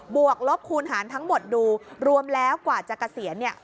วกลบคูณหารทั้งหมดดูรวมแล้วกว่าจะเกษียณเนี่ย